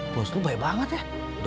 bos lu baik banget ya